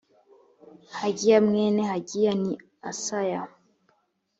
hagiya mwene hagiya ni asaya